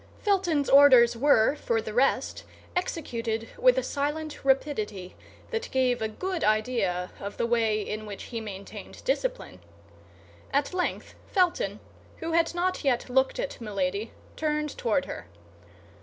Felton's orders were, for the rest, executed with a silent rapidity that gave a good idea of the way in which he maintained discipline. At length Felton, who had not yet looked at Milady, turned toward her.